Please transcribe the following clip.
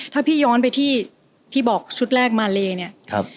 ถ้าพี่ย้อนไปที่พี่บอกชุดแรกมาเลเนี่ย